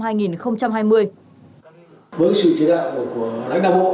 với sự chế độ của lãnh đạo bộ